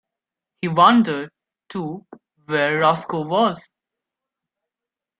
He wondered, too, where Roscoe was.